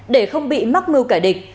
để không bị mắc mưu kẻ địch